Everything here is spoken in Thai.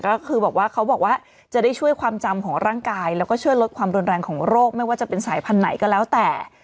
ก็คือบอกว่าเขาบอกว่าจะได้ช่วยความจำของร่างกายแล้วก็ช่วยลดความรุนแรงของโรคไม่ว่าจะเป็นสายพันธุ์ไหนก็แล้วแต่